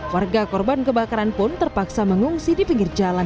warga korban kebakaran pun terpaksa mengungsi di pinggir jalan